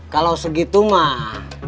kalau segitu mah